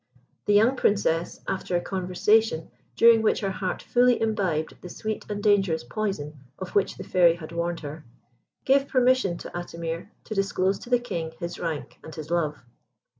The young Princess, after a conversation during which her heart fully imbibed the sweet and dangerous poison of which the Fairy had warned her, gave permission to Atimir to disclose to the King his rank and his love.